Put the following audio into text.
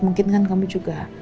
mungkin kan kamu juga